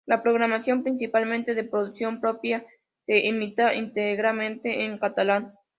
La programación, principalmente de producción propia, se emitía íntegramente en catalán.